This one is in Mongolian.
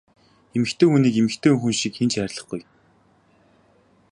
Эмэгтэй хүнийг эмэгтэй хүн шиг хэн ч хайрлахгүй!